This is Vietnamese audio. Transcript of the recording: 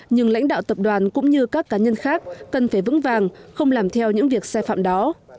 nhưng lãnh đạo tập đoàn cũng như các cá nhân khác cần phải vững vàng không làm theo những việc sai phạm đó